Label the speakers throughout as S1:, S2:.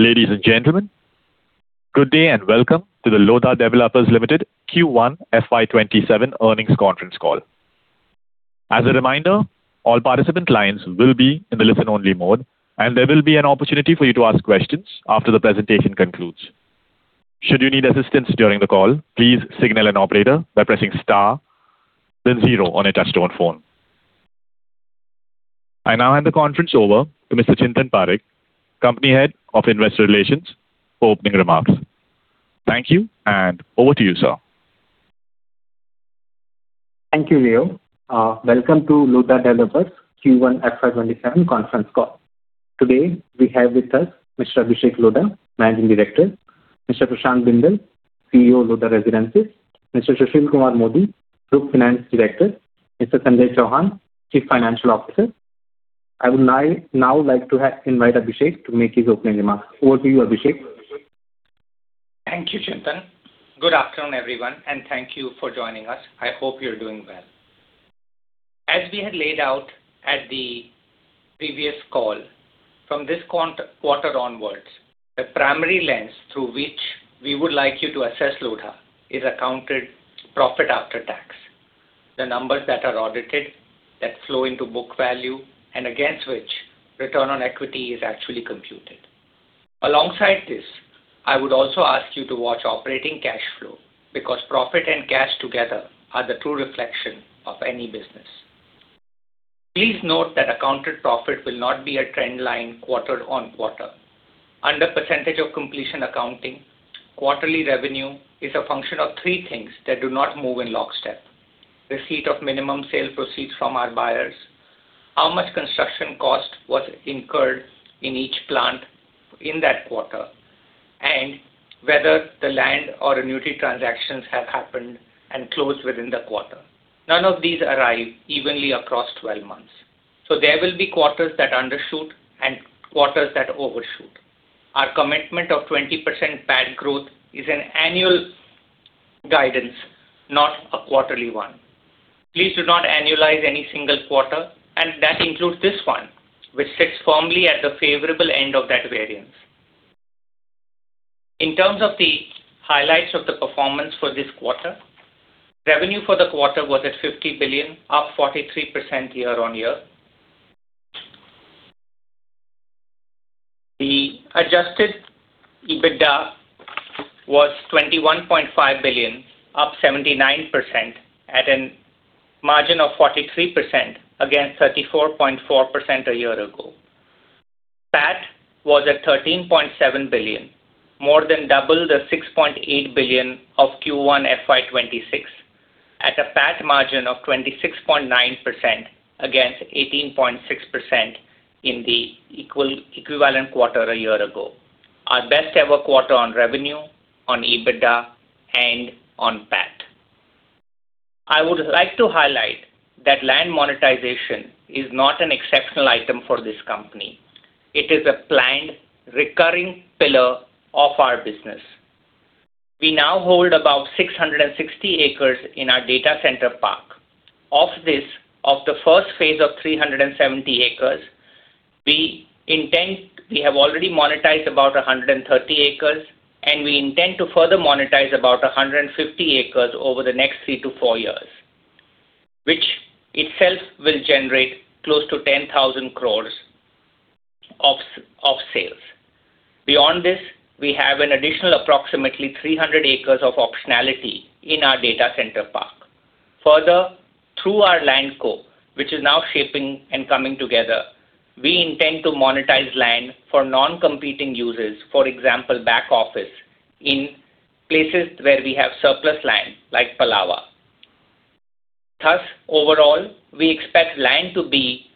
S1: Ladies and gentlemen, good day and welcome to the Lodha Developers Limited Q1 FY 2027 earnings conference call. As a reminder, all participant lines will be in the listen-only mode, and there will be an opportunity for you to ask questions after the presentation concludes. Should you need assistance during the call, please signal an operator by pressing star then zero on a touch-tone phone. I now hand the conference over to Mr. Chintan Parekh, Company Head of Investor Relations for opening remarks. Thank you, over to you, sir.
S2: Thank you, Leo. Welcome to Lodha Developers Q1 FY 2027 conference call. Today, we have with us Mr. Abhishek Lodha, Managing Director, Mr. Prashant Bindal, CEO, Lodha Residences, Mr. Sushil Kumar Modi, Group Finance Director, Mr. Sanjay Chauhan, Chief Financial Officer. I would now like to invite Abhishek to make his opening remarks. Over to you, Abhishek.
S3: Thank you, Chintan. Good afternoon, everyone, thank you for joining us. I hope you're doing well. As we had laid out at the previous call, from this quarter onwards, the primary lens through which we would like you to assess Lodha is accounted profit after tax. The numbers that are audited, that flow into book value, and against which return on equity is actually computed. Alongside this, I would also ask you to watch operating cash flow because profit and cash together are the true reflection of any business. Please note that accounted profit will not be a trend line quarter-on-quarter. Under percentage of completion accounting, quarterly revenue is a function of three things that do not move in lockstep. Receipt of minimum sale proceeds from our buyers, how much construction cost was incurred in each plant in that quarter, and whether the land or annuity transactions have happened and closed within the quarter. None of these arrive evenly across 12 months. There will be quarters that undershoot and quarters that overshoot. Our commitment of 20% PAT growth is an annual guidance, not a quarterly one. Please do not annualize any single quarter, and that includes this one, which sits firmly at the favorable end of that variance. In terms of the highlights of the performance for this quarter, revenue for the quarter was at 50 billion, up 43% year-on-year. The adjusted EBITDA was 21.5 billion, up 79% at a margin of 43% against 34.4% a year ago. PAT was at 13.7 billion, more than double the 6.8 billion of Q1 FY 2026 at a PAT margin of 26.9% against 18.6% in the equivalent quarter a year ago. Our best-ever quarter on revenue, on EBITDA, and on PAT. I would like to highlight that land monetization is not an exceptional item for this company. It is a planned, recurring pillar of our business. We now hold about 660 acres in our data center park. Of the first phase of 370 acres, we have already monetized about 130 acres, and we intend to further monetize about 150 acres over the next three to four years, which itself will generate close to 10,000 crore of sales. Beyond this, we have an additional approximately 300 acres of optionality in our data center park. Further, through our LandCo, which is now shaping and coming together, we intend to monetize land for non-competing users, for example, back office in places where we have surplus land, like Palava. Overall, we expect land to be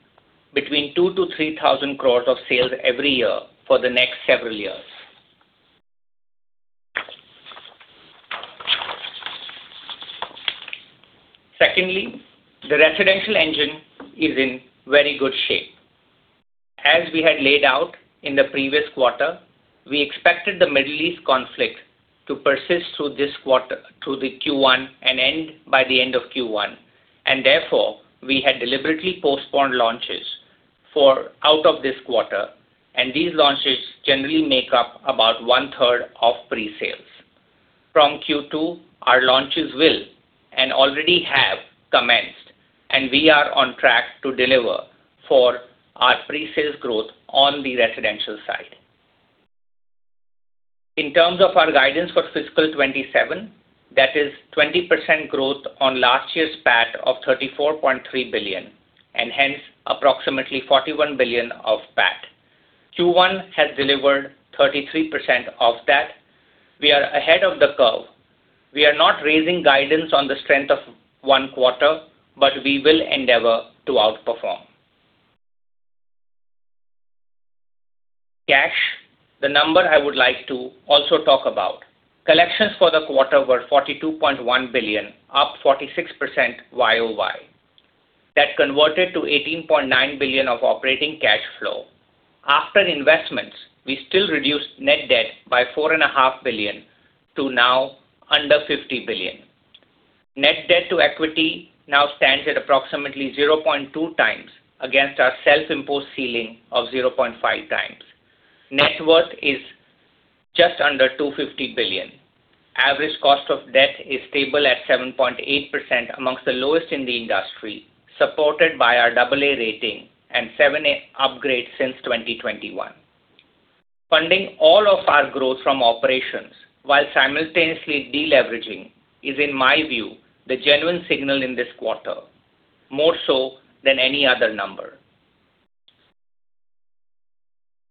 S3: between 2,000 crore-3,000 crore of sales every year for the next several years. Secondly, the residential engine is in very good shape. As we had laid out in the previous quarter, we expected the Middle East conflict to persist through the Q1 and end by the end of Q1. Therefore, we had deliberately postponed launches out of this quarter, and these launches generally make up about 1/3 of pre-sales. From Q2, our launches will and already have commenced, and we are on track to deliver for our pre-sales growth on the residential side. In terms of our guidance for fiscal 2027, that is 20% growth on last year's PAT of 34.3 billion, and hence approximately 41 billion of PAT. Q1 has delivered 33% of that. We are ahead of the curve. We are not raising guidance on the strength of one quarter, but we will endeavor to outperform. Cash, the number I would like to also talk about. Collections for the quarter were 42.1 billion, up 46% YoY. That converted to 18.9 billion of operating cash flow. After investments, we still reduced net debt by 4.5 billion to now under 50 billion. Net debt to equity now stands at approximately 0.2x against our self-imposed ceiling of 0.5x. Net worth is just under 250 billion. Average cost of debt is stable at 7.8% amongst the lowest in the industry, supported by our AA rating and 7% upgrade since 2021. Funding all of our growth from operations while simultaneously de-leveraging is, in my view, the genuine signal in this quarter, more so than any other number.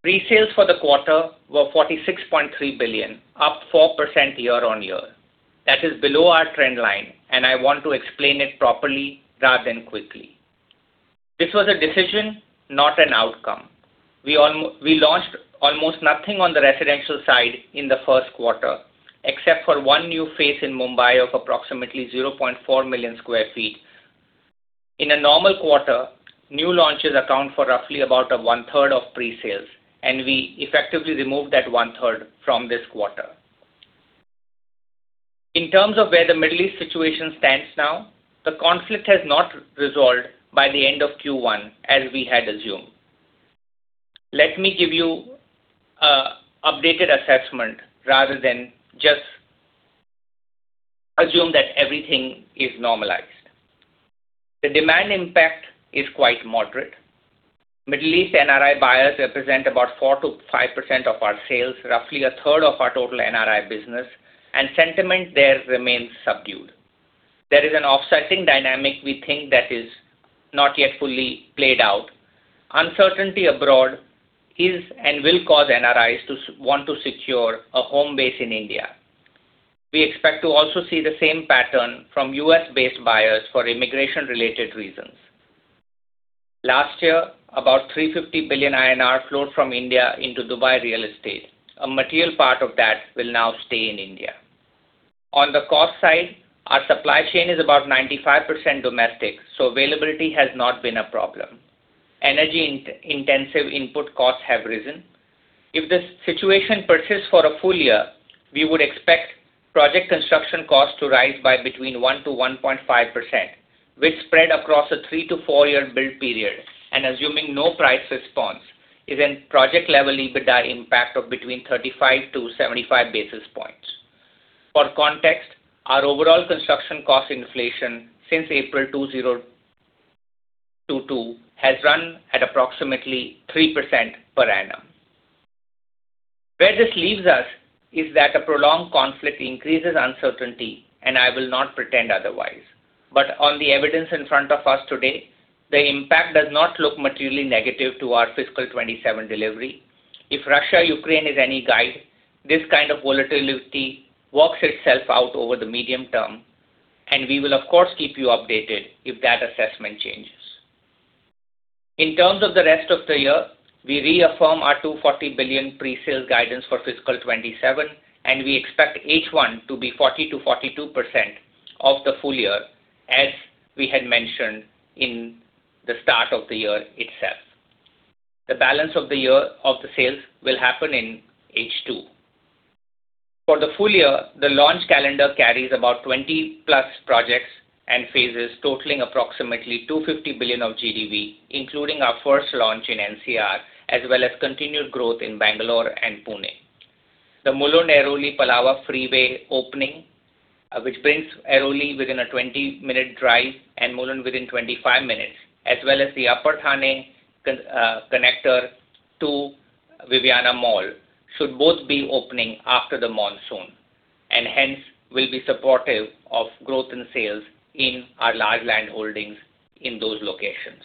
S3: Pre-sales for the quarter were 46.3 billion, up 4% year-on-year. That is below our trend line, and I want to explain it properly rather than quickly. This was a decision, not an outcome. We launched almost nothing on the residential side in the first quarter, except for one new phase in Mumbai of approximately 0.4 million square feet. In a normal quarter, new launches account for roughly about 1/3 of pre-sales, and we effectively removed that 1/3 from this quarter. In terms of where the Middle East situation stands now, the conflict has not resolved by the end of Q1 as we had assumed. Let me give you an updated assessment rather than just assume that everything is normalized. The demand impact is quite moderate. Middle East NRI buyers represent about 4%-5% of our sales, roughly 1/3 of our total NRI business, and sentiment there remains subdued. There is an offsetting dynamic we think that is not yet fully played out. Uncertainty abroad is and will cause NRIs to want to secure a home base in India. We expect to also see the same pattern from U.S.-based buyers for immigration-related reasons. Last year, about 350 billion INR flowed from India into Dubai real estate. A material part of that will now stay in India. On the cost side, our supply chain is about 95% domestic, so availability has not been a problem. Energy-intensive input costs have risen. If the situation persists for a full year, we would expect project construction costs to rise by between 1%-1.5%, which spread across a three to four-year build period, and assuming no price response is in project level EBITDA impact of between 35 basis points-75 basis points. For context, our overall construction cost inflation since April 2022 has run at approximately 3% per annum. Where this leaves us is that a prolonged conflict increases uncertainty, and I will not pretend otherwise. But on the evidence in front of us today, the impact does not look materially negative to our fiscal 2027 delivery. If Russia-Ukraine is any guide, this kind of volatility works itself out over the medium term, and we will, of course, keep you updated if that assessment changes. In terms of the rest of the year, we reaffirm our 240 billion pre-sale guidance for fiscal 2027, and we expect H1 to be 40%-42% of the full year, as we had mentioned in the start of the year itself. The balance of the year of the sales will happen in H2. For the full year, the launch calendar carries about 20+ projects and phases totaling approximately 250 billion of GDV, including our first launch in NCR, as well as continued growth in Bangalore and Pune. The Mulund-Airoli-Palava Freeway opening, which brings Airoli within a 20-minute drive and Mulund within 25 minutes, as well as the Upper Thane Connector to Viviana Mall, should both be opening after the monsoon, and hence will be supportive of growth in sales in our large land holdings in those locations.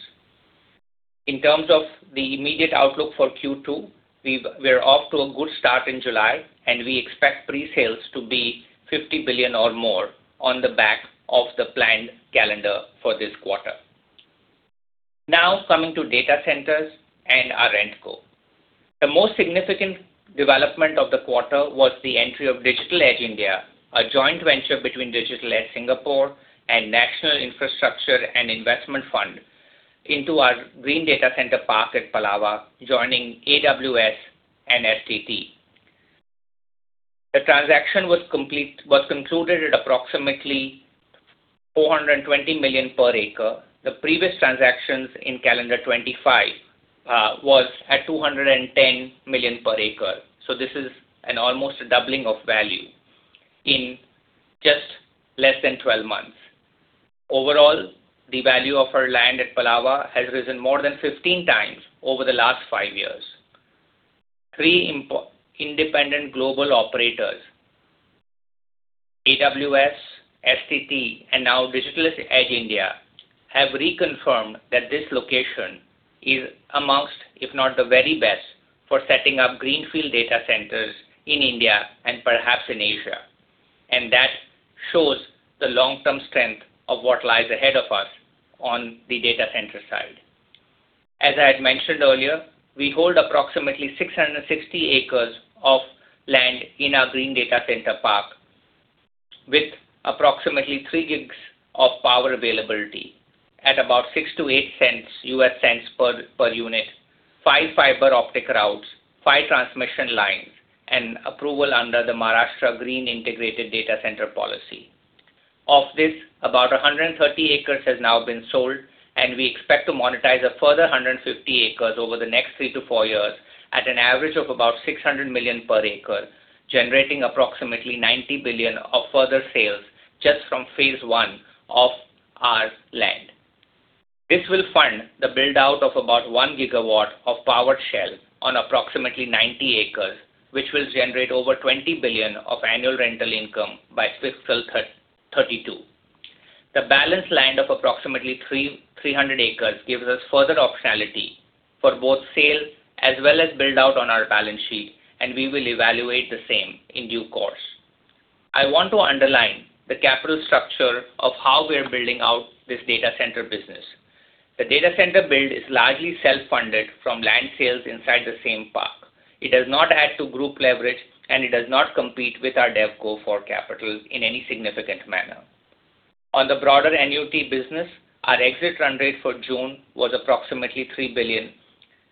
S3: In terms of the immediate outlook for Q2, we are off to a good start in July, and we expect pre-sales to be 50 billion or more on the back of the planned calendar for this quarter. Now, coming to data centers and our RentCo. The most significant development of the quarter was the entry of Digital Edge India, a joint venture between Digital Edge Singapore and National Investment and Infrastructure Fund into our Green Data Center Park at Palava, joining AWS and STT. The transaction was concluded at approximately 420 million per acre. The previous transactions in calendar 2025 was at 210 million per acre. This is an almost doubling of value in just less than 12 months. Overall, the value of our land at Palava has risen more than 15 times over the last five years. Three independent global operators, AWS, STT, and now Digital Edge India, have reconfirmed that this location is amongst, if not the very best, for setting up greenfield data centers in India and perhaps in Asia. That shows the long-term strength of what lies ahead of us on the data center side. As I had mentioned earlier, we hold approximately 660 acres of land in our Green Data Center Park with approximately three gigs of power availability at about $0.06-$0.08 per unit. Five fiber optic routes, five transmission lines, and approval under the Maharashtra Green Integrated Data Centre Policy. Of this, about 130 acres has now been sold. We expect to monetize a further 150 acres over the next three to four years at an average of about 600 million per acre, generating approximately 90 billion of further sales just from phase I of our land. This will fund the build-out of about 1 GW of powered shell on approximately 90 acres, which will generate over 20 billion of annual rental income by fiscal 2032. The balance land of approximately 300 acres gives us further optionality for both sales as well as build-out on our balance sheet. We will evaluate the same in due course. I want to underline the capital structure of how we're building out this data center business. The data center build is largely self-funded from land sales inside the same park. It does not add to group leverage. It does not compete with our DevCo for capital in any significant manner. On the broader annuity business, our exit run rate for June was approximately 3 billion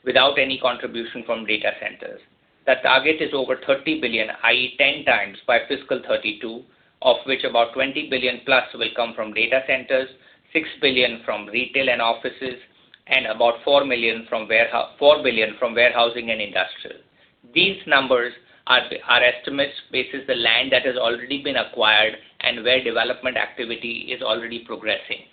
S3: without any contribution from data centers. The target is over 30 billion, i.e., 10x by fiscal 2032, of which about 20 billion+ will come from data centers, 6 billion from retail and offices, and about 4 billion from warehousing and industrial. These numbers are estimates based the land that has already been acquired and where development activity is already progressing.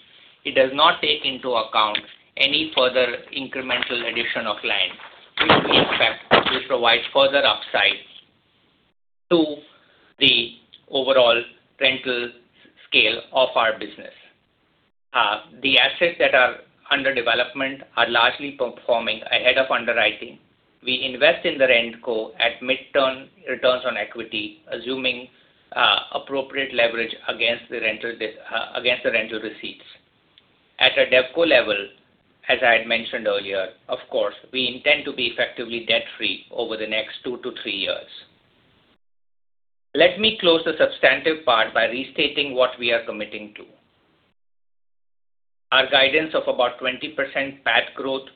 S3: It does not take into account any further incremental addition of land, which we expect will provide further upside to the overall rental scale of our business. The assets that are under development are largely performing ahead of underwriting. We invest in the RentCo at mid returns on equity, assuming appropriate leverage against the rental receipts. At a DevCo level, as I had mentioned earlier, of course, we intend to be effectively debt-free over the next two to three years. Let me close the substantive part by restating what we are committing to. Our guidance of about 20% PAT growth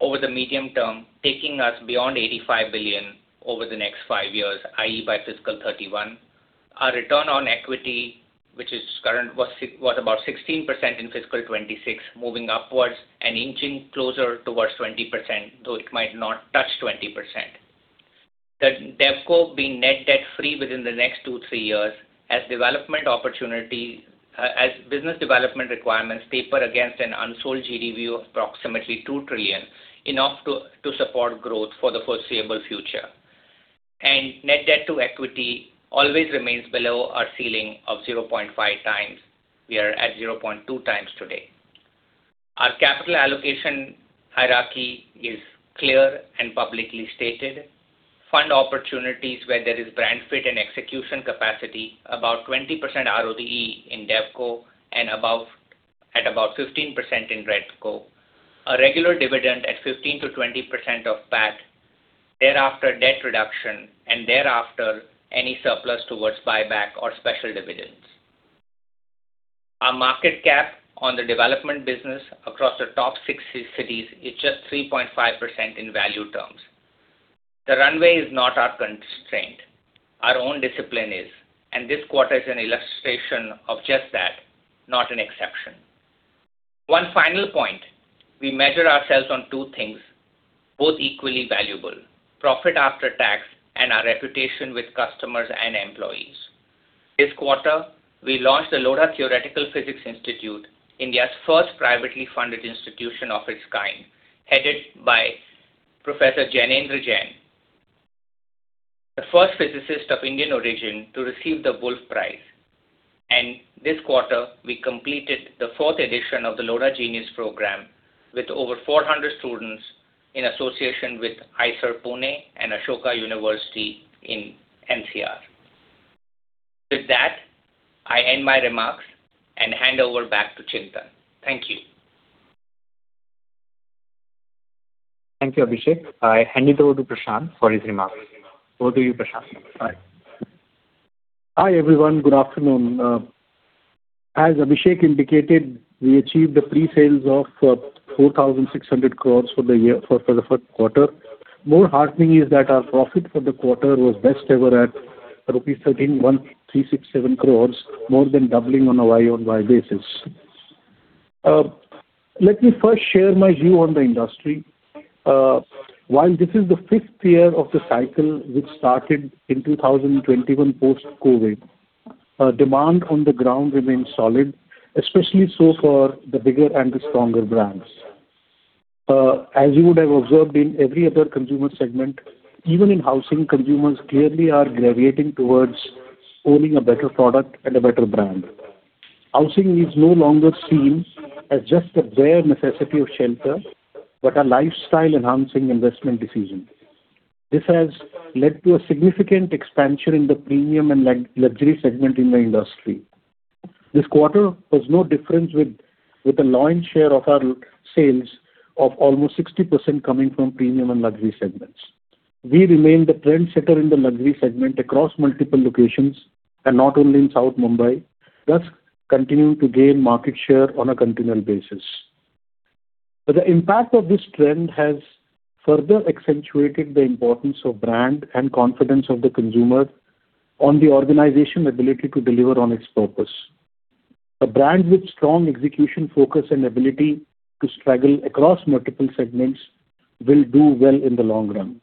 S3: over the medium term, taking us beyond 85 billion over the next five years, i.e., by fiscal 2031. Our return on equity, which was about 16% in fiscal 2026, moving upwards and inching closer towards 20%, though it might not touch 20%. The DevCo being net debt-free within the next two, three years as business development requirements paper against an unsold GDV of approximately 2 trillion, enough to support growth for the foreseeable future. Net debt to equity always remains below our ceiling of 0.5x. We are at 0.2x today. Our capital allocation hierarchy is clear and publicly stated. Fund opportunities where there is brand fit and execution capacity, about 20% RoE in DevCo at about 15% in RentCo. A regular dividend at 15%-20% of PAT, thereafter debt reduction, thereafter any surplus towards buyback or special dividends. Our market cap on the development business across the top six cities is just 3.5% in value terms. The runway is not our constraint, our own discipline is, and this quarter is an illustration of just that, not an exception. One final point, we measure ourselves on two things, both equally valuable, profit after tax and our reputation with customers and employees. This quarter, we launched the Lodha Theoretical Physics Institute, India's first privately funded institution of its kind, headed by Professor Jainendra Jain, the first physicist of Indian origin to receive the Wolf Prize. This quarter, we completed the fourth edition of the Lodha Genius Program with over 400 students in association with IISER Pune and Ashoka University in NCR. With that, I end my remarks and hand over back to Chintan. Thank you.
S2: Thank you, Abhishek. I hand it over to Prashant for his remarks. Over to you, Prashant.
S4: Hi, everyone. Good afternoon. As Abhishek indicated, we achieved the pre-sales of 4,600 crore for the first quarter. More heartening is that our profit for the quarter was best ever at rupees 13,137 crore, more than doubling on a YoY basis. Let me first share my view on the industry. While this is the fifth year of the cycle which started in 2021 post-COVID, demand on the ground remains solid, especially so for the bigger and the stronger brands. As you would have observed in every other consumer segment, even in housing, consumers clearly are gravitating towards owning a better product and a better brand. Housing is no longer seen as just a bare necessity of shelter, but a lifestyle-enhancing investment decision. This has led to a significant expansion in the premium and luxury segment in the industry. This quarter was no different, with a lion share of our sales of almost 60% coming from premium and luxury segments. We remain the trendsetter in the luxury segment across multiple locations, and not only in South Mumbai, thus continuing to gain market share on a continual basis. The impact of this trend has further accentuated the importance of brand and confidence of the consumer on the organization ability to deliver on its purpose. A brand with strong execution focus and ability to excel across multiple segments will do well in the long run.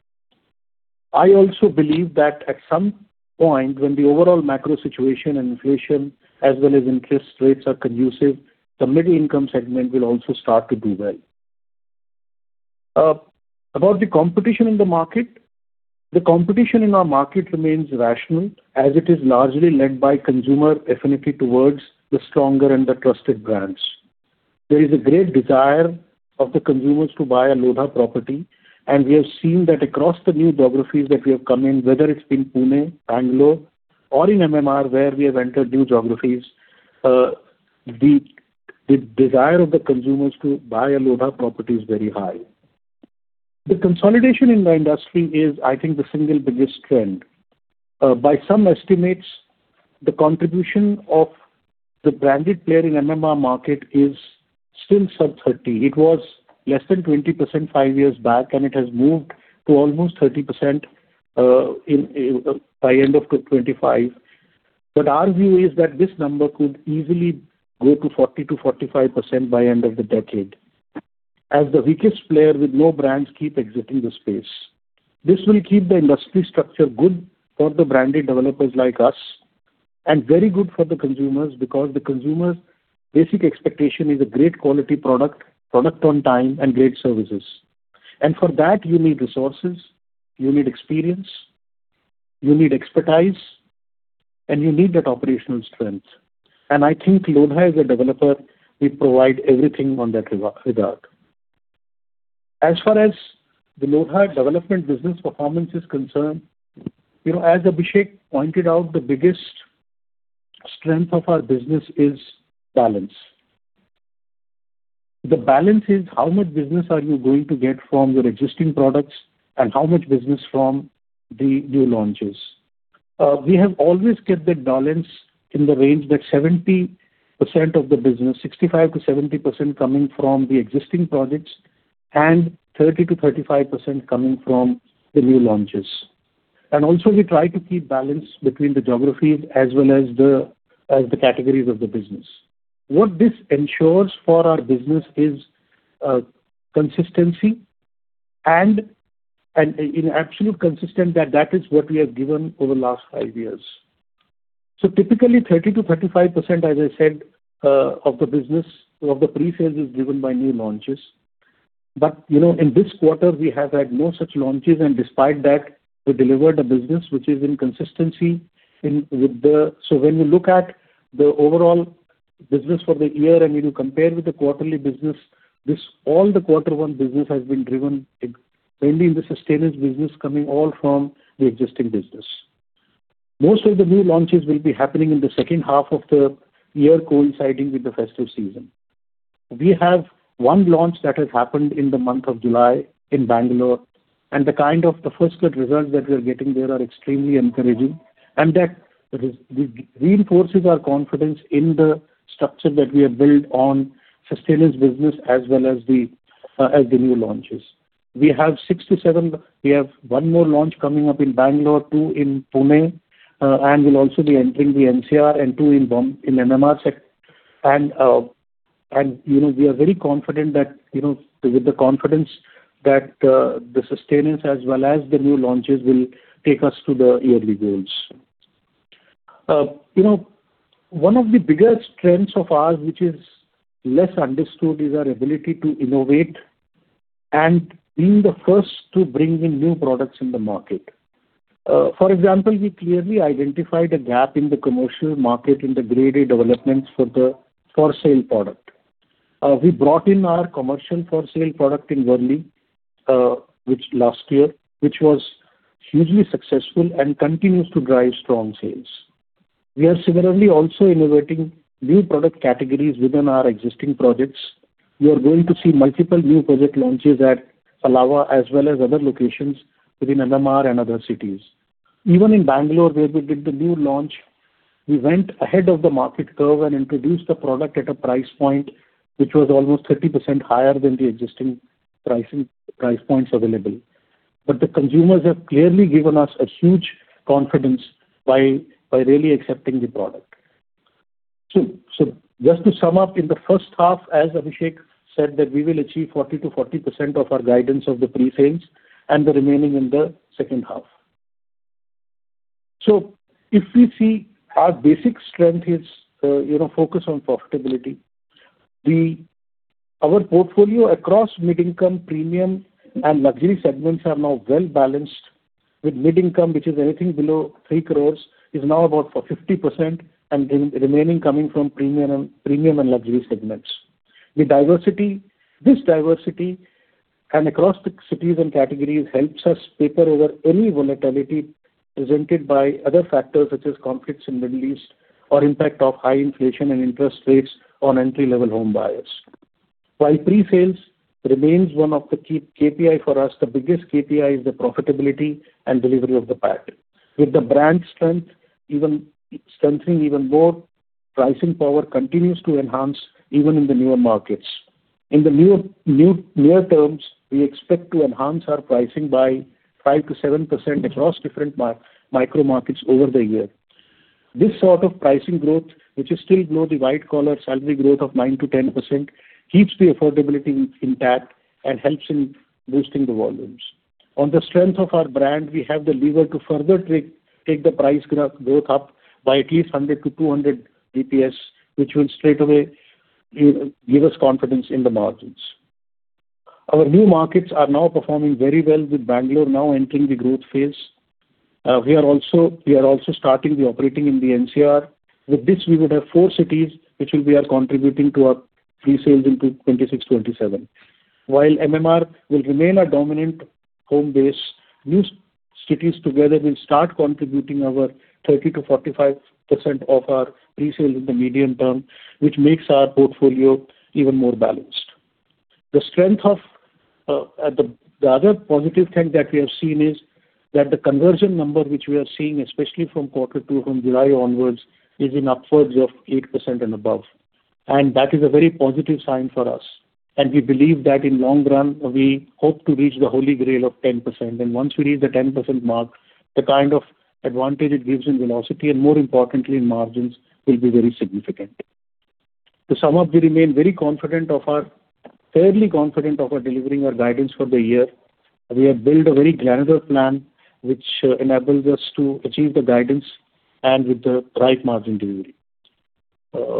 S4: I also believe that at some point, when the overall macro situation and inflation, as well as interest rates are conducive, the middle-income segment will also start to do well. About the competition in the market. The competition in our market remains rational, as it is largely led by consumer affinity towards the stronger and the trusted brands. There is a great desire of the consumers to buy a Lodha property, and we have seen that across the new geographies that we have come in, whether it's in Pune, Bangalore, or in MMR, where we have entered new geographies, the desire of the consumers to buy a Lodha property is very high. The consolidation in the industry is, I think, the single biggest trend. By some estimates, the contribution of the branded player in MMR market is still sub 30%. It was less than 20% five years back, and it has moved to almost 30% by end of 2025. Our view is that this number could easily go to 40%-45% by end of the decade, as the weakest player with no brands keep exiting the space. This will keep the industry structure good for the branded developers like us, and very good for the consumers, because the consumer's basic expectation is a great quality product on time, and great services. For that, you need resources, you need experience, you need expertise, and you need that operational strength. I think Lodha, as a developer, we provide everything on that regard. As far as the Lodha development business performance is concerned, as Abhishek pointed out, the biggest strength of our business is balance. The balance is how much business are you going to get from your existing products and how much business from the new launches. We have always kept that balance in the range that 70% of the business, 65%-70% coming from the existing projects and 30%-35% coming from the new launches. Also, we try to keep balance between the geographies as well as the categories of the business. What this ensures for our business is consistency, and in absolute consistent, that is what we have given over the last five years. Typically, 30%-35%, as I said, of the business, of the pre-sales is driven by new launches. In this quarter, we have had no such launches, and despite that, we delivered a business which is in consistency. When you look at the overall business for the year and you compare with the quarterly business, all the quarter one business has been driven mainly in the sustenance business coming all from the existing business. Most of the new launches will be happening in the second half of the year, coinciding with the festive season. We have one launch that has happened in the month of July in Bangalore, and the kind of the first cut results that we are getting there are extremely encouraging, and that reinforces our confidence in the structure that we have built on sustenance business as well as the new launches. We have one more launch coming up in Bangalore, two in Pune, and we will also be entering the NCR and two in MMR set. We are very confident that, with the confidence that the sustenance as well as the new launches will take us to the yearly goals. One of the biggest strengths of ours, which is less understood, is our ability to innovate and being the first to bring in new products in the market. For example, we clearly identified a gap in the commercial market in the graded developments for the for sale product. We brought in our commercial for sale product in Worli, which last year, which was hugely successful and continues to drive strong sales. We are similarly also innovating new product categories within our existing projects. You are going to see multiple new project launches at Palava as well as other locations within MMR and other cities. Even in Bangalore, where we did the new launch, we went ahead of the market curve and introduced a product at a price point which was almost 30% higher than the existing price points available. The consumers have clearly given us a huge confidence by really accepting the product. Just to sum up in the first half, as Abhishek said, that we will achieve 40%-42% of our guidance of the pre-sales and the remaining in the second half. If we see our basic strength is focus on profitability. Our portfolio across mid-income, premium, and luxury segments are now well-balanced with mid-income, which is anything below 3 crore, is now about 50%, and the remaining coming from premium and luxury segments. This diversity and across the cities and categories helps us paper over any volatility presented by other factors such as conflicts in Middle East or impact of high inflation and interest rates on entry-level home buyers. While pre-sales remains one of the key KPI for us, the biggest KPI is the profitability and delivery of the PAT. With the brand strength centering even more, pricing power continues to enhance even in the newer markets. In the near terms, we expect to enhance our pricing by 5%-7% across different micro markets over the year. This sort of pricing growth, which is still below the white collar salary growth of 9%-10%, keeps the affordability intact and helps in boosting the volumes. On the strength of our brand, we have the lever to further take the price growth up by at least 100 basis points-200 basis points, which will straightaway give us confidence in the margins. Our new markets are now performing very well, with Bangalore now entering the growth phase. We are also starting the operating in the NCR. With this, we would have four cities which will be contributing to our pre-sales into 2026-2027. While MMR will remain our dominant home base, new cities together will start contributing our 30%-45% of our pre-sales in the medium term, which makes our portfolio even more balanced. The other positive thing that we have seen is that the conversion number, which we are seeing, especially from quarter two, from July onwards, is in upwards of 8% and above. That is a very positive sign for us. We believe that in long run, we hope to reach the holy grail of 10%. Once we reach the 10% mark, the kind of advantage it gives in velocity, and more importantly in margins, will be very significant. To sum up, we remain fairly confident of delivering our guidance for the year. We have built a very granular plan which enables us to achieve the guidance and with the right margin delivery.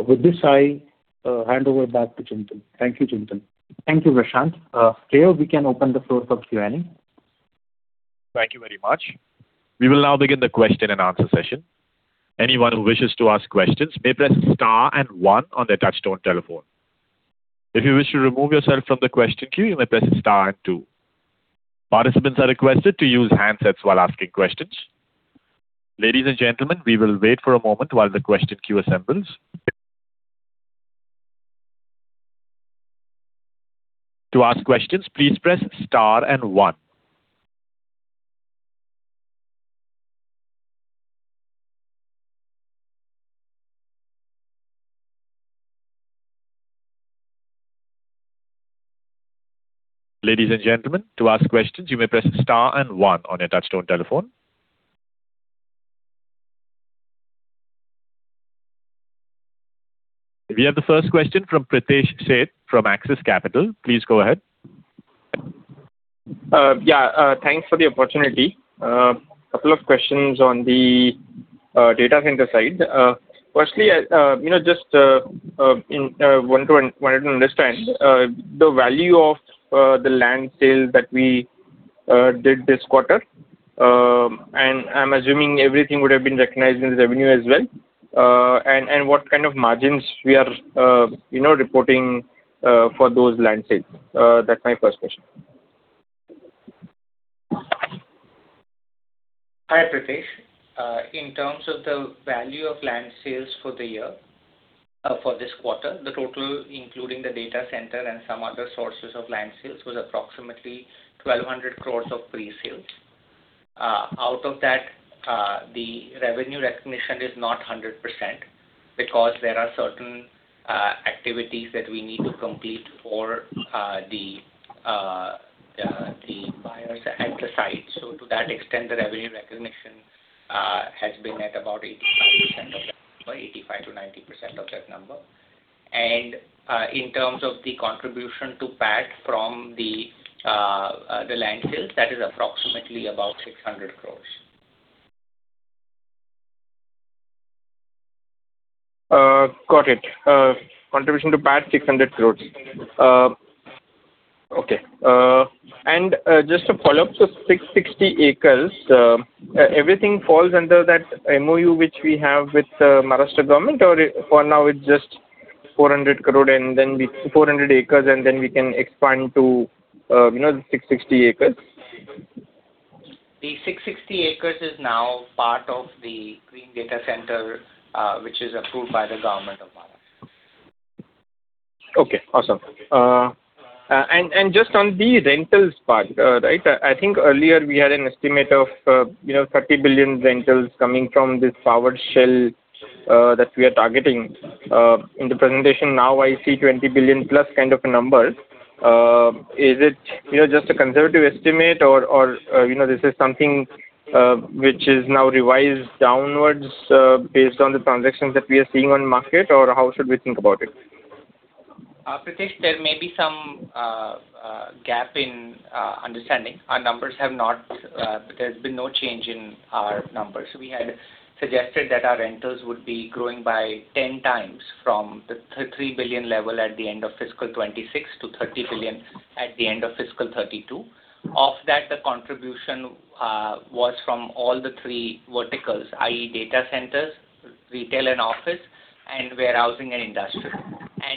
S4: With this, I hand over back to Chintan. Thank you, Chintan.
S2: Thank you, Prashant. Leo, we can open the floor for Q&A.
S1: Thank you very much. We will now begin the question-and-answer session. Anyone who wishes to ask questions may press star and one on their touch-tone telephone. If you wish to remove yourself from the question queue, you may press star and two. Participants are requested to use handsets while asking questions. Ladies and gentlemen, we will wait for a moment while the question queue assembles. To ask questions, please press star and one. Ladies and gentlemen, to ask questions, you may press star and one on your touch-tone telephone. We have the first question from Pritesh Sheth, from Axis Capital. Please go ahead.
S5: Thanks for the opportunity. A couple of questions on the data center side. Firstly, I wanted to understand the value of the land sale that we did this quarter, I'm assuming everything would have been recognized in revenue as well. What kind of margins we are reporting for those land sales? That's my first question.
S3: Hi, Pritesh. In terms of the value of land sales for this quarter, the total, including the data center and some other sources of land sales, was approximately 1,200 crore of pre-sales. Out of that, the revenue recognition is not 100%, because there are certain activities that we need to complete for the buyers at the site. To that extent, the revenue recognition has been at about 85%-90% of that number. In terms of the contribution to PAT from the land sales, that is approximately about 600 crore.
S5: Got it. Contribution to PAT, 600 crore. Okay. Just a follow-up. 660 acres, everything falls under that MoU which we have with the Maharashtra Government, or for now it's just 400 acres, we can expand to the 660 acres?
S3: The 660 acres is now part of the green data center, which is approved by the Government of Maharashtra.
S5: Okay. Awesome. Just on the rentals part, right? I think earlier we had an estimate of 30 billion rentals coming from this powered shell that we are targeting. In the presentation now, I see 20 billion+ kind of a number. Is it just a conservative estimate or, this is something which is now revised downwards based on the transactions that we are seeing on market, or how should we think about it?
S3: Pritesh, there may be some gap in understanding. There has been no change in our numbers. We had suggested that our rentals would be growing by 10x from the 3 billion level at the end of fiscal 2026 to 30 billion at the end of fiscal 2032. Of that, the contribution was from all the three verticals, i.e. data centers, retail and office, and warehousing and industrial.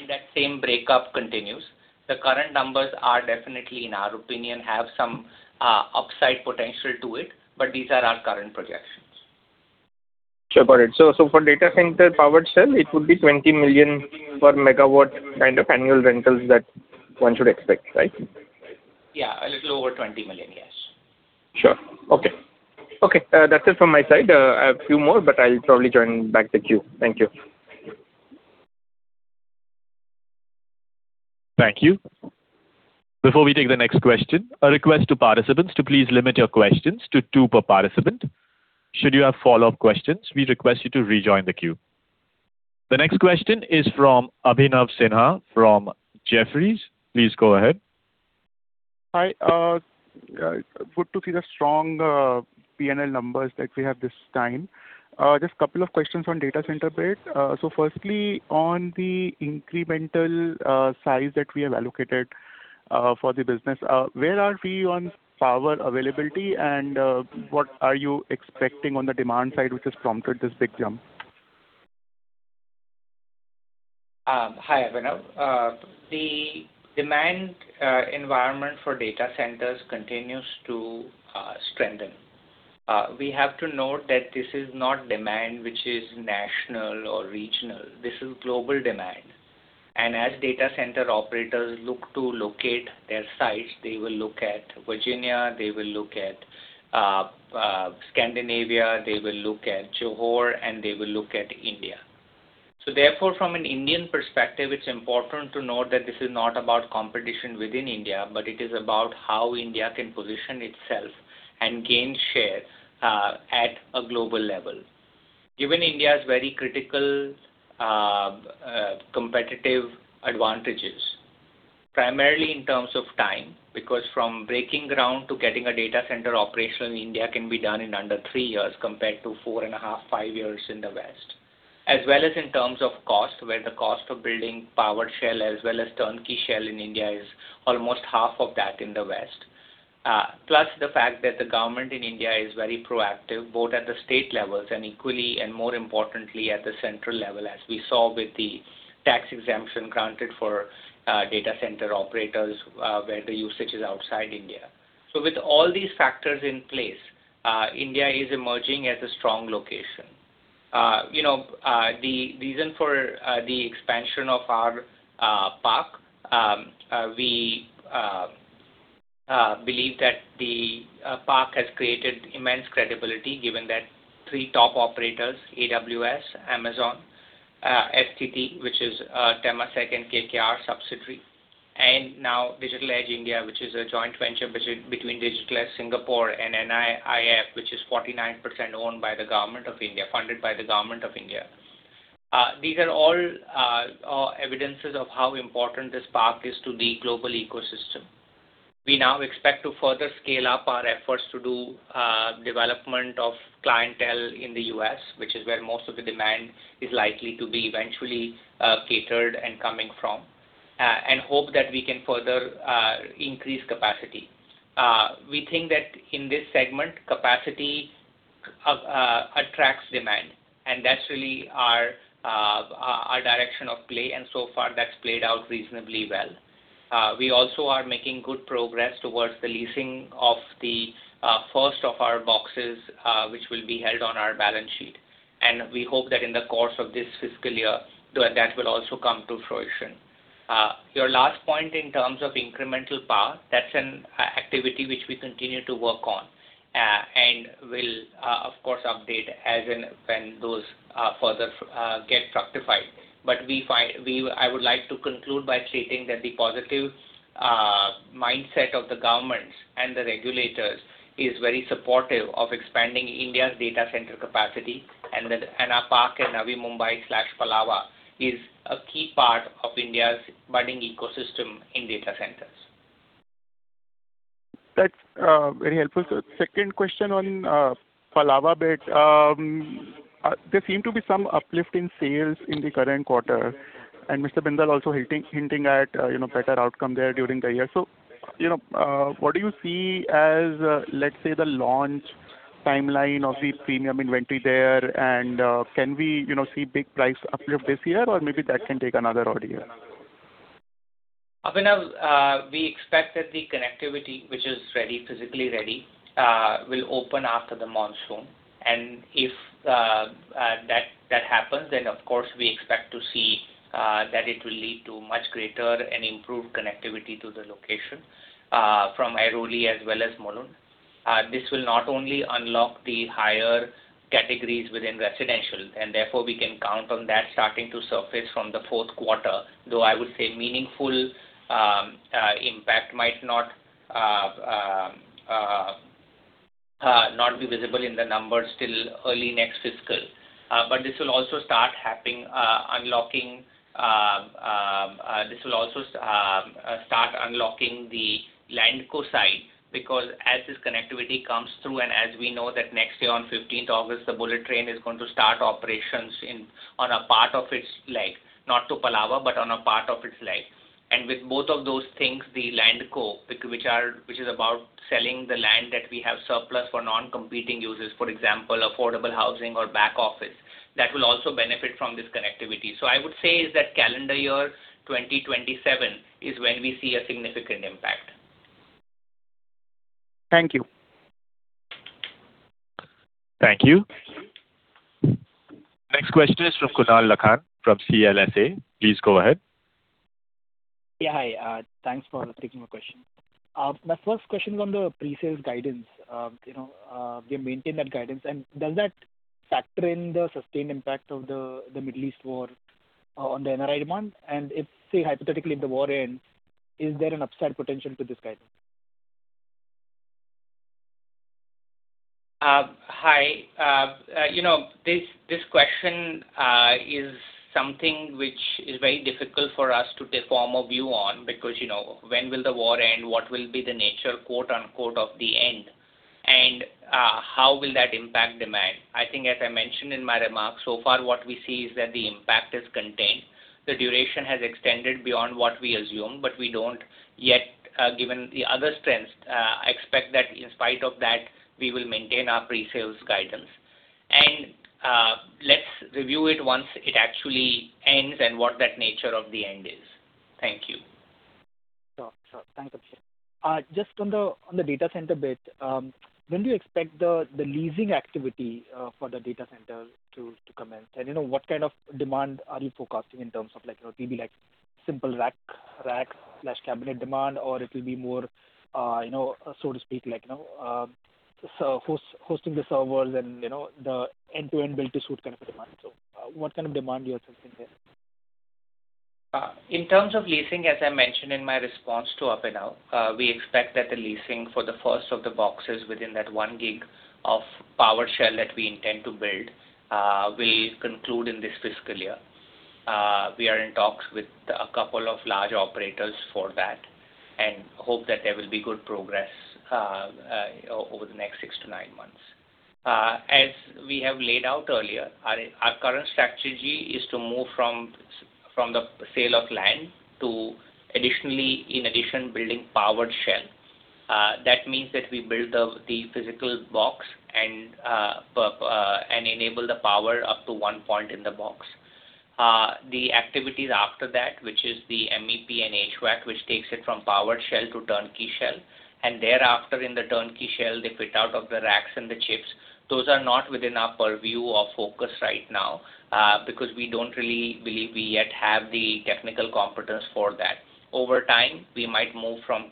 S3: That same breakup continues. The current numbers are definitely, in our opinion, have some upside potential to it, but these are our current projections.
S5: Sure. Got it. For data center powered shell, it would be 20 million per megawatt kind of annual rentals that one should expect, right?
S3: Yeah. A little over 20 million. Yes.
S5: Sure. Okay. That's it from my side. I have a few more, but I'll probably join back the queue. Thank you.
S1: Thank you. Before we take the next question, a request to participants to please limit your questions to two per participant. Should you have follow-up questions, we request you to rejoin the queue. The next question is from Abhinav Sinha from Jefferies. Please go ahead.
S6: Hi. Good to see the strong P&L numbers that we have this time. Just a couple of questions on data center bit. Firstly, on the incremental size that we have allocated for the business, where are we on power availability and what are you expecting on the demand side, which has prompted this big jump?
S3: Hi, Abhinav. The demand environment for data centers continues to strengthen. We have to note that this is not demand which is national or regional. This is global demand. As data center operators look to locate their sites, they will look at Virginia, they will look at Scandinavia, they will look at Johor, and they will look at India. Therefore, from an Indian perspective, it's important to note that this is not about competition within India, but it is about how India can position itself and gain share at a global level. Given India's very critical competitive advantages, primarily in terms of time, because from breaking ground to getting a data center operational in India can be done in under three years compared to four and a half, five years in the West. As well as in terms of cost, where the cost of building powered shell as well as turnkey shell in India is almost half of that in the West. The fact that the Government of India is very proactive, both at the state levels and equally and more importantly at the central level as we saw with the tax exemption granted for data center operators, where the usage is outside India. With all these factors in place, India is emerging as a strong location. The reason for the expansion of our park, we believe that the park has created immense credibility given that three top operators, AWS, Amazon, STT, which is Temasek and KKR subsidiary, and now Digital Edge India, which is a joint venture between Digital Edge Singapore and NIIF, which is 49% owned by the Government of India, funded by the Government of India. These are all evidences of how important this park is to the global ecosystem. We now expect to further scale up our efforts to do development of clientele in the U.S., which is where most of the demand is likely to be eventually catered and coming from, and hope that we can further increase capacity. We think that in this segment, capacity attracts demand, and that's really our direction of play, and so far that's played out reasonably well. We also are making good progress towards the leasing of the first of our boxes, which will be held on our balance sheet. We hope that in the course of this fiscal year, that will also come to fruition. Your last point in terms of incremental path, that's an activity which we continue to work on, and we'll, of course, update when those further get fructified. I would like to conclude by stating that the positive mindset of the governments and the regulators is very supportive of expanding India's data center capacity, and our park in Navi Mumbai/Palava is a key part of India's budding ecosystem in data centers.
S6: That's very helpful, sir. Second question on Palava bit. There seem to be some uplift in sales in the current quarter, Mr. Bindal also hinting at better outcome there during the year. What do you see as, let's say, the launch timeline of the premium inventory there, and can we see big price uplift this year, or maybe that can take another odd year?
S3: Abhinav, we expect that the connectivity, which is physically ready, will open after the monsoon. If that happens, of course, we expect to see that it will lead to much greater and improved connectivity to the location from Airoli as well as Mulund. This will not only unlock the higher categories within residential, and therefore we can count on that starting to surface from the fourth quarter, though I would say meaningful impact might not be visible in the numbers till early next fiscal. This will also start unlocking the LandCo side because as this connectivity comes through and as we know that next year on August 15th, the bullet train is going to start operations on a part of its leg, not to Palava, but on a part of its leg. With both of those things, the LandCo, which is about selling the land that we have surplus for non-competing uses, for example, affordable housing or back office, that will also benefit from this connectivity. I would say is that calendar year 2027 is when we see a significant impact.
S6: Thank you.
S1: Thank you. Next question is from Kunal Lakhan from CLSA. Please go ahead.
S7: Hi. Thanks for taking my question. My first question is on the pre-sales guidance. You maintain that guidance, does that factor in the sustained impact of the Middle East war on the NRI demand? If, say, hypothetically, if the war ends, is there an upside potential to this guidance?
S3: Hi. This question is something which is very difficult for us to take form a view on because, when will the war end? What will be the nature, quote-unquote, of the end? How will that impact demand? I think as I mentioned in my remarks, so far what we see is that the impact is contained. The duration has extended beyond what we assume, but we don't yet, given the other strengths, expect that in spite of that, we will maintain our pre-sales guidance. Let's review it once it actually ends and what that nature of the end is. Thank you.
S7: Sure. Thanks, Abhishek. Just on the data center bit, when do you expect the leasing activity for the data center to commence? What kind of demand are you forecasting in terms of like, it will be like simple rack/cabinet demand, or it'll be more, so to speak, hosting the servers and the end-to-end built to suit kind of a demand. What kind of demand you are sensing there?
S3: In terms of leasing, as I mentioned in my response to Abhinav, we expect that the leasing for the first of the boxes within that one gig of power shell that we intend to build will conclude in this fiscal year. We are in talks with a couple of large operators for that and hope that there will be good progress over the next six to nine months. As we have laid out earlier, our current strategy is to move from the sale of land to in addition, building power shell. That means that we build the physical box and enable the power up to one point in the box. The activities after that, which is the MEP and HVAC, which takes it from powered shell to turnkey shell, and thereafter in the turnkey shell, the fit out of the racks and the chips, those are not within our purview of focus right now. Because we don't really believe we yet have the technical competence for that. Over time, we might move from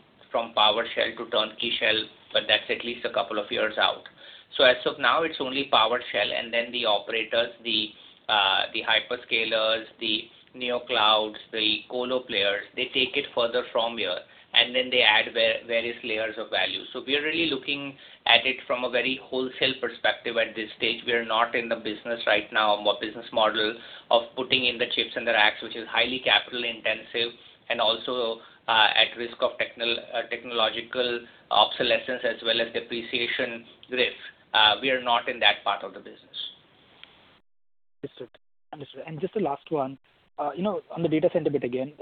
S3: powered shell to turnkey shell, but that's at least a couple of years out. As of now, it's only powered shell, and then the operators, the hyperscalers, the neoclouds, the colo players, they take it further from here, and then they add various layers of value. We are really looking at it from a very wholesale perspective at this stage. We are not in the business right now or business model of putting in the chips and the racks, which is highly capital intensive and also at risk of technological obsolescence as well as depreciation risk. We are not in that part of the business.
S7: Understood. Just the last one. On the data center bit again,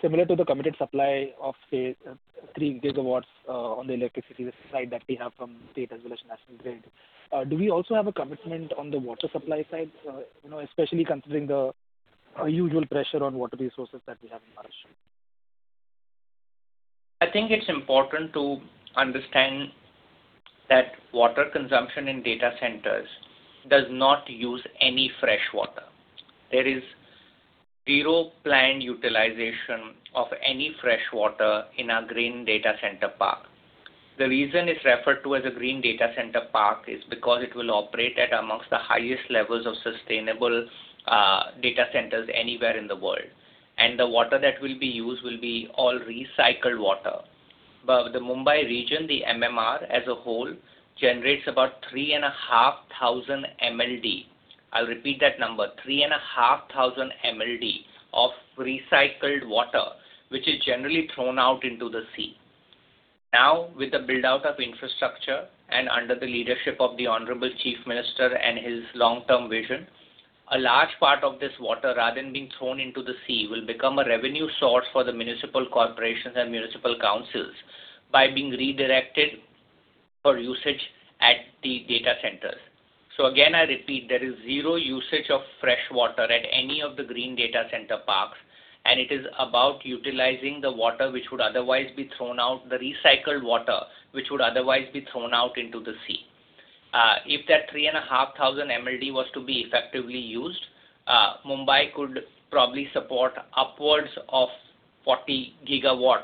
S7: similar to the committed supply of, say, 3 GW on the electricity side that we have from state as well as national grid. Do we also have a commitment on the water supply side? Especially considering the usual pressure on water resources that we have in Maharashtra.
S3: I think it's important to understand that water consumption in data centers does not use any fresh water. There is zero planned utilization of any fresh water in our green data center park. The reason it's referred to as a green data center park is because it will operate at amongst the highest levels of sustainable data centers anywhere in the world. The water that will be used will be all recycled water. The Mumbai region, the MMR as a whole, generates about 3,500 MLD. I'll repeat that number, 3,500 MLD of recycled water, which is generally thrown out into the sea. With the build-out of infrastructure and under the leadership of the Honorable Chief Minister and his long-term vision, a large part of this water, rather than being thrown into the sea, will become a revenue source for the municipal corporations and municipal councils by being redirected for usage at the data centers. Again, I repeat, there is zero usage of fresh water at any of the green data center parks, and it is about utilizing the water which would otherwise be thrown out, the recycled water, which would otherwise be thrown out into the sea. If that 3,500 MLD was to be effectively used, Mumbai could probably support upwards of 40 GW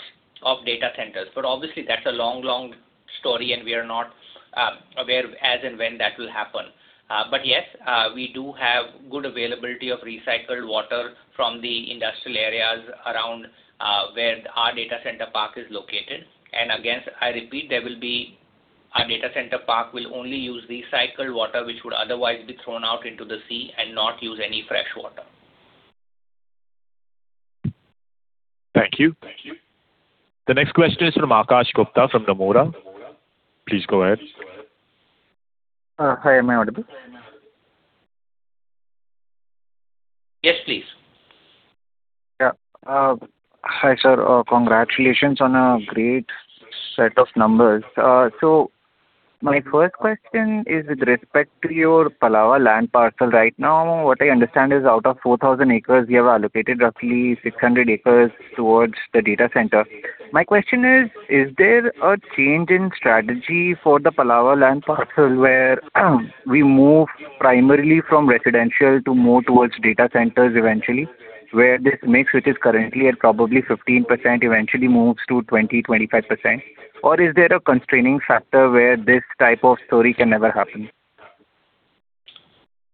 S3: of data centers. Obviously, that's a long story, and we are not aware of as and when that will happen. Yes, we do have good availability of recycled water from the industrial areas around where our data center park is located. Again, I repeat, our data center park will only use recycled water, which would otherwise be thrown out into the sea and not use any fresh water.
S1: Thank you. The next question is from Akash Gupta from Nomura. Please go ahead.
S8: Hi, am I audible?
S3: Yes, please.
S8: Hi, sir. Congratulations on a great set of numbers. My first question is with respect to your Palava land parcel. Right now, what I understand is out of 4,000 acres, you have allocated roughly 600 acres towards the data center. My question is: Is there a change in strategy for the Palava land parcel where we move primarily from residential to more towards data centers eventually, where this mix, which is currently at probably 15%, eventually moves to 20%, 25%? Or is there a constraining factor where this type of story can never happen?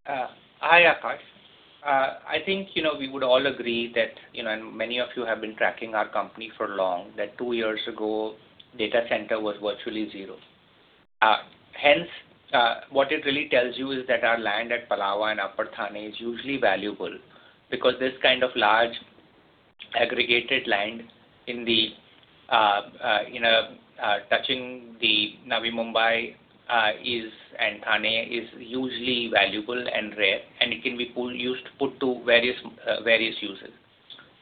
S3: Hi, Akash. I think we would all agree that, many of you have been tracking our company for long, that two years ago, data center was virtually zero. What it really tells you is that our land at Palava and Upper Thane is usually valuable because this kind of large aggregated land touching the Navi Mumbai and Thane is usually valuable and rare, and it can be put to various uses.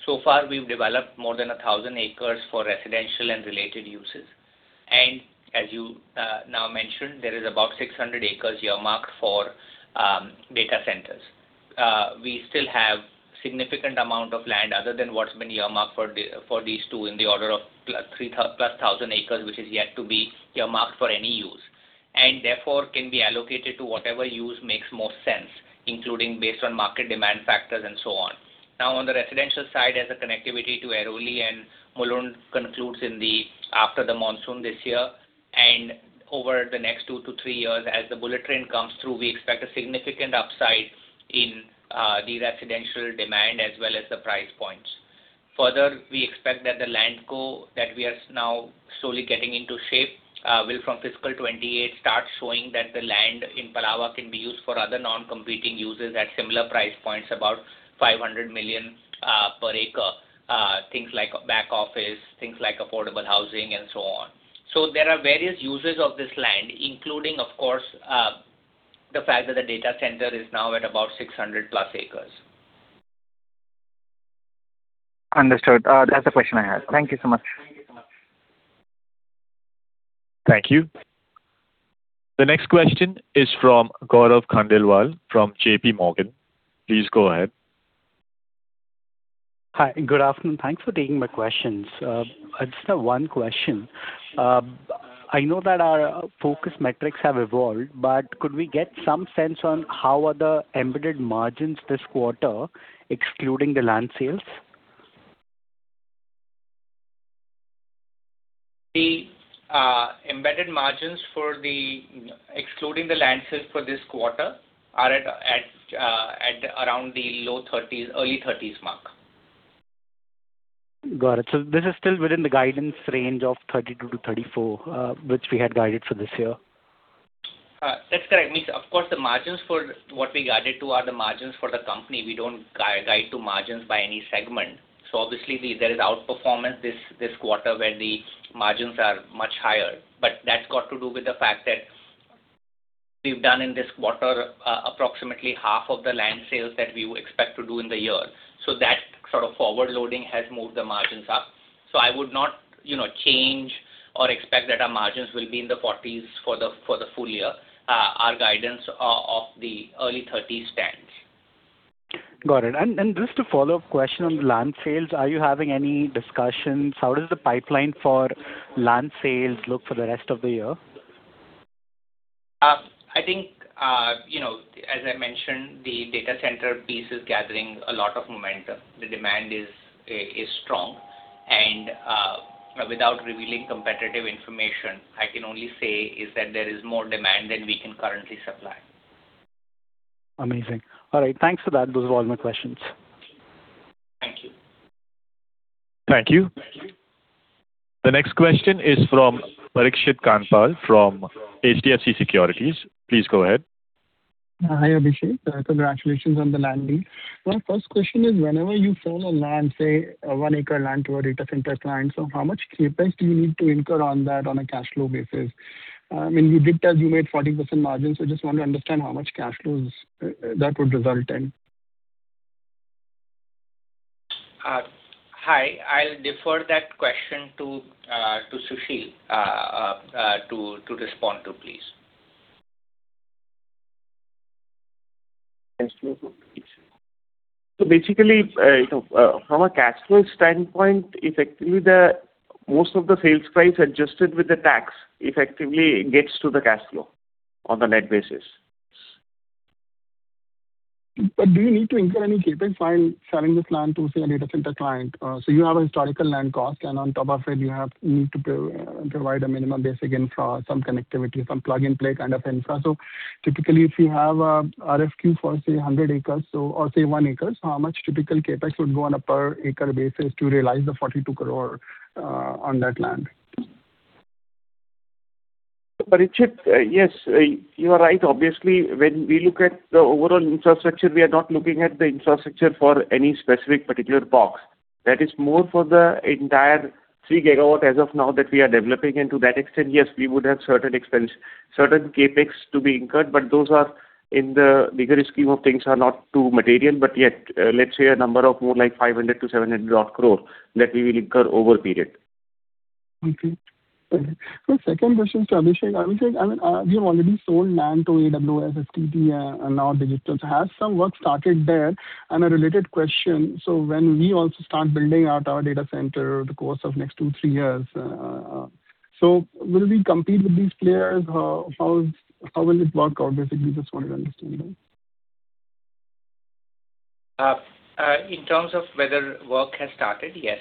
S3: So far, we've developed more than 1,000 acres for residential and related uses. As you now mentioned, there is about 600 acres earmarked for data centers. We still have significant amount of land other than what's been earmarked for these two in the order of 3,000+ acres, which is yet to be earmarked for any use, and therefore can be allocated to whatever use makes more sense, including based on market demand factors and so on. On the residential side, as the connectivity to Airoli and Mulund concludes after the monsoon this year, and over the next two to three years, as the bullet train comes through, we expect a significant upside in the residential demand as well as the price points. Further, we expect that the LandCo that we are now slowly getting into shape will from fiscal 2028 start showing that the land in Palava can be used for other non-competing uses at similar price points, about 500 million per acre. Things like back office, things like affordable housing and so on. There are various uses of this land, including, of course, the fact that the data center is now at about 600+ acres.
S8: Understood. That's the question I had. Thank you so much.
S1: Thank you. The next question is from Gaurav Khandelwal from JPMorgan. Please go ahead.
S9: Hi. Good afternoon. Thanks for taking my questions. I just have one question. I know that our focus metrics have evolved, but could we get some sense on how are the embedded margins this quarter, excluding the land sales?
S3: The embedded margins excluding the land sales for this quarter are at around the low-30s, early 30s mark.
S9: Got it. This is still within the guidance range of 32%-34%, which we had guided for this year.
S3: That's correct. Of course, the margins for what we guided to are the margins for the company. We don't guide to margins by any segment. Obviously, there is outperformance this quarter where the margins are much higher. That's got to do with the fact that we've done in this quarter approximately half of the land sales that we expect to do in the year. That sort of forward loading has moved the margins up. I would not change or expect that our margins will be in the 40s for the full year. Our guidance of the early 30s stands.
S9: Got it. Just a follow-up question on land sales. Are you having any discussions? How does the pipeline for land sales look for the rest of the year?
S3: I think, as I mentioned, the data center piece is gathering a lot of momentum. The demand is strong. Without revealing competitive information, I can only say is that there is more demand than we can currently supply.
S9: Amazing. All right. Thanks for that. Those are all my questions.
S3: Thank you.
S1: Thank you. The next question is from Parikshit Kandpal from HDFC Securities. Please go ahead.
S10: Hi, Abhishek. Congratulations on the landing. My first question is, whenever you sell a land, say a one-acre land to a data center client, how much CapEx do you need to incur on that on a cash flow basis? When you did tell you made 40% margins, just want to understand how much cash flows that would result in.
S3: Hi. I'll defer that question to Sushil to respond to, please.
S11: Thanks. Basically, from a cash flow standpoint, effectively most of the sales price adjusted with the tax effectively gets to the cash flow on the net basis.
S10: Do you need to incur any CapEx while selling this land to, say, a data center client? You have a historical land cost, and on top of it, you need to provide a minimum basic infra, some connectivity, some plug-and-play kind of infra. Typically, if you have a RFQ for, say, 100 acres, or say one acre, how much typical CapEx would go on a per acre basis to realize the 42 crore on that land?
S11: Parikshit, yes, you are right. Obviously, when we look at the overall infrastructure, we are not looking at the infrastructure for any specific particular box. That is more for the entire 3 GW as of now that we are developing. To that extent, yes, we would have certain CapEx to be incurred, but those are in the bigger scheme of things are not too material, but yet, let's say a number of more like 500 crore-700 crore that we will incur over period.
S10: Second question to Abhishek. Abhishek, you have already sold land to AWS, STT, and now Digital Edge. Has some work started there? A related question, when we also start building out our data center over the course of next two, three years, will we compete with these players? How will it work out basically? Just want to understand that.
S3: In terms of whether work has started, yes,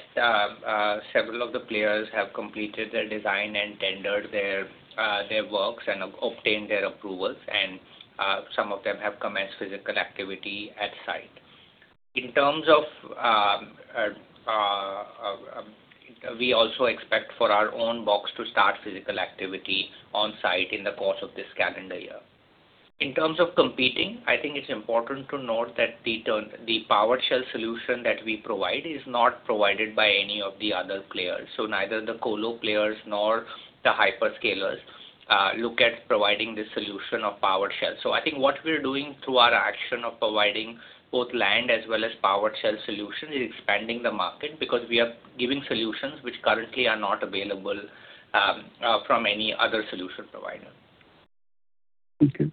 S3: several of the players have completed their design and tendered their works and obtained their approvals, and some of them have commenced physical activity at site. We also expect for our own box to start physical activity on site in the course of this calendar year. In terms of competing, I think it's important to note that the powered shell solution that we provide is not provided by any of the other players. Neither the colo players nor the hyperscalers look at providing this solution of powered shell. I think what we're doing through our action of providing both land as well as powered shell solution is expanding the market because we are giving solutions which currently are not available from any other solution provider.
S10: Okay.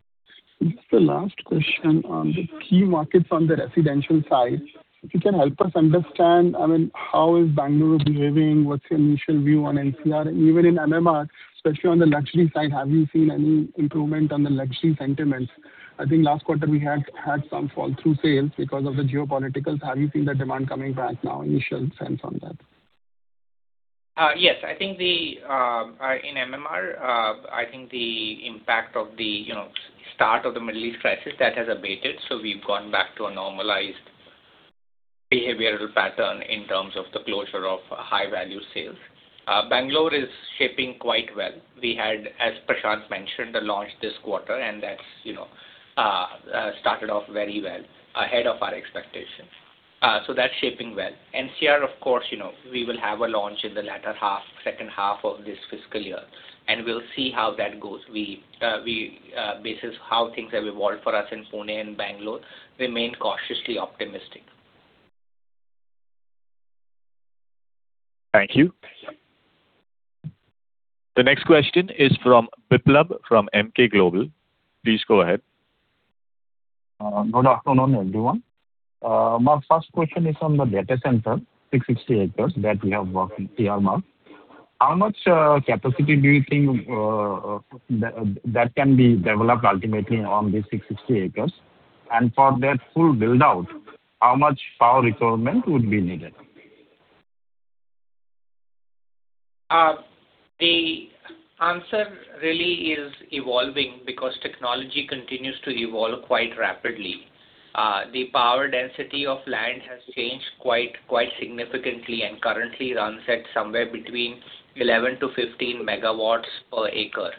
S10: Just the last question on the key markets on the residential side, if you can help us understand how is Bangalore behaving, what's your initial view on NCR? Even in MMR, especially on the luxury side, have you seen any improvement on the luxury sentiments? I think last quarter we had some fall through sales because of the geopolitical. Have you seen the demand coming back now? Initial sense on that.
S3: Yes, I think in MMR, I think the impact of the start of the Middle East crisis, that has abated. We've gone back to a normalized behavioral pattern in terms of the closure of high-value sales. Bangalore is shaping quite well. We had, as Prashant mentioned, the launch this quarter, and that started off very well, ahead of our expectations. That's shaping well. NCR, of course, we will have a launch in the latter half, second half of this fiscal year, and we'll see how that goes. Basis how things have evolved for us in Pune and Bangalore, remain cautiously optimistic.
S1: Thank you. The next question is from Biplab from Emkay Global. Please go ahead.
S12: Good afternoon, everyone. My first question is on the data center, 660 acres that we have worked in [DC Park]. How much capacity do you think that can be developed ultimately on the 660 acres? For that full build-out, how much power requirement would be needed?
S3: The answer really is evolving because technology continues to evolve quite rapidly. The power density of land has changed quite significantly, and currently runs at somewhere between 11 MW-15 MW per acre.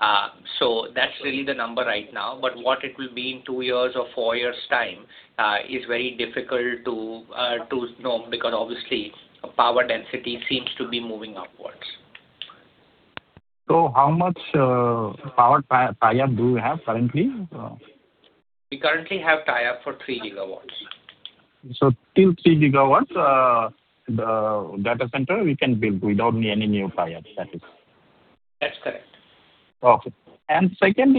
S3: That's really the number right now. What it will be in two years or four years' time, is very difficult to know because obviously power density seems to be moving upwards.
S12: How much power tie-up do you have currently?
S3: We currently have tie-up for 3 GW.
S12: Till 3 GW, the data center we can build, we don't need any new tie-ups.
S3: That's correct.
S12: Okay. Second question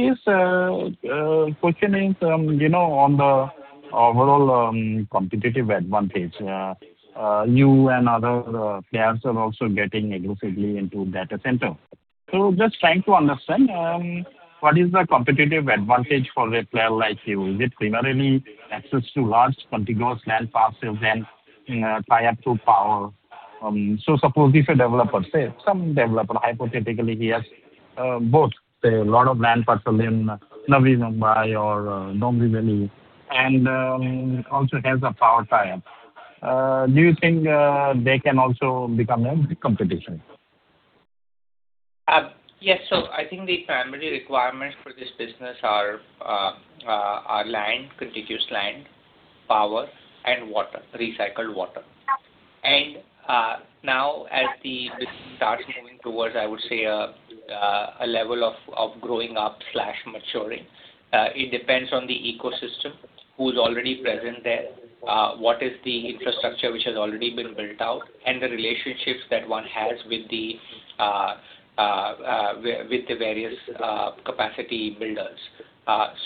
S12: is on the overall competitive advantage. You and other players are also getting aggressively into data center. Just trying to understand, what is the competitive advantage for a player like you? Is it primarily access to large contiguous land parcels and tie-up to power? Suppose if a developer, say some developer, hypothetically he has both, say a lot of land parcel in Navi Mumbai or Dombivli, and also has a power tie-up. Do you think they can also become a big competition?
S3: Yes. I think the primary requirements for this business are land, contiguous land, power, and water, recycled water. Now as the business starts moving towards, I would say, a level of growing up/maturing, it depends on the ecosystem, who's already present there, what is the infrastructure which has already been built out, and the relationships that one has with the various capacity builders.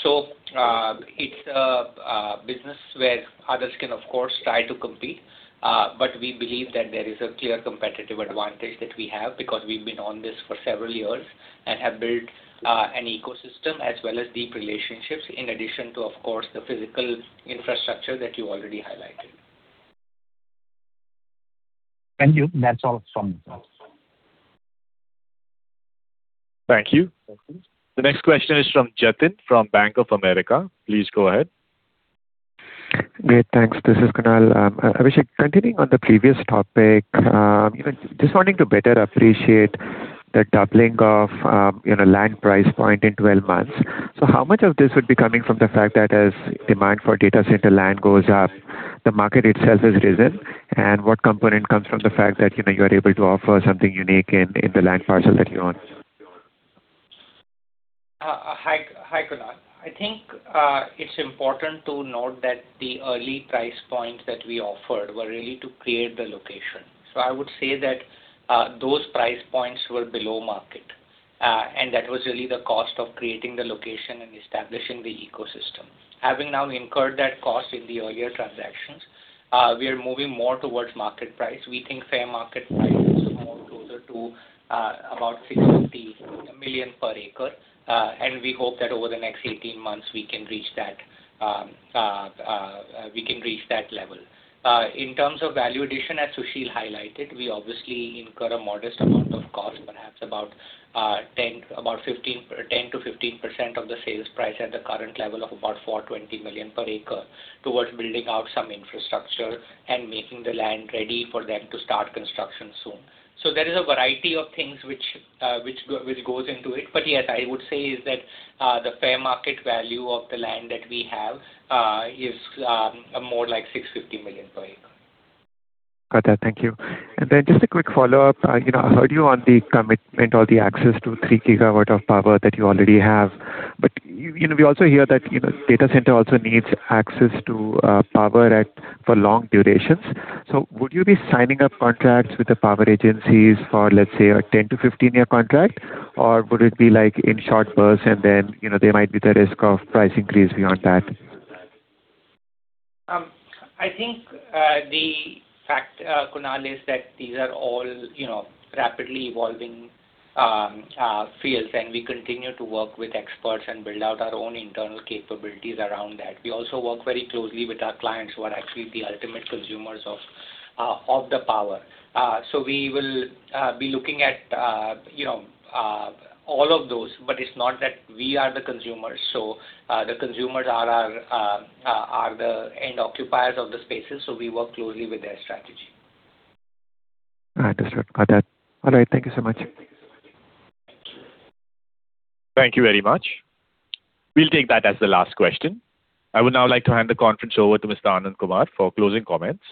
S3: It's a business where others can of course, try to compete, but we believe that there is a clear competitive advantage that we have because we've been on this for several years and have built an ecosystem as well as deep relationships in addition to, of course, the physical infrastructure that you already highlighted.
S12: Thank you. That's all from me.
S1: Thank you. The next question is from Jatin from Bank of America. Please go ahead.
S13: Great. Thanks. This is Kunal. Abhishek, continuing on the previous topic, just wanting to better appreciate the doubling of land price point in 12 months. How much of this would be coming from the fact that as demand for data center land goes up the market itself has risen. What component comes from the fact that you are able to offer something unique in the land parcel that you own?
S3: Hi, Kunal. I think it's important to note that the early price points that we offered were really to create the location. I would say that those price points were below market, and that was really the cost of creating the location and establishing the ecosystem. Having now incurred that cost in the earlier transactions, we are moving more towards market price. We think fair market price is more closer to about 650 million per acre, and we hope that over the next 18 months, we can reach that level. In terms of value addition, as Sushil highlighted, we obviously incur a modest amount of cost, perhaps about 10%-15% of the sales price at the current level of about 420 million per acre, towards building out some infrastructure and making the land ready for them to start construction soon. There is a variety of things which goes into it, but yes, I would say is that the fair market value of the land that we have is more like 650 million per acre.
S13: Got that. Thank you. Then just a quick follow-up. I heard you on the commitment or the access to 3 GW of power that you already have. We also hear that data center also needs access to power for long durations. Would you be signing up contracts with the power agencies for, let's say, a 10-15 year contract? Would it be in short bursts and then, there might be the risk of price increase beyond that?
S3: I think the fact, Kunal, is that these are all rapidly evolving fields, and we continue to work with experts and build out our own internal capabilities around that. We also work very closely with our clients who are actually the ultimate consumers of the power. We will be looking at all of those, but it's not that we are the consumers. The consumers are the end occupiers of the spaces, so we work closely with their strategy.
S13: Understood. Got that. All right. Thank you so much.
S1: Thank you very much. We will take that as the last question. I would now like to hand the conference over to Mr. Anand Kumar for closing comments.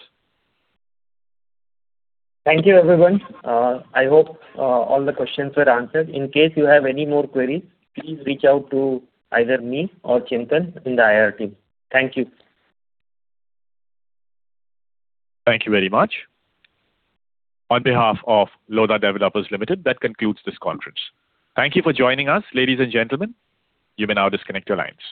S14: Thank you, everyone. I hope all the questions were answered. In case you have any more queries, please reach out to either me or Chintan in the IR team. Thank you.
S1: Thank you very much. On behalf of Lodha Developers Limited, that concludes this conference. Thank you for joining us, ladies and gentlemen. You may now disconnect your lines.